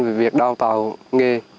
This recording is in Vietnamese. vì việc đào tạo nghề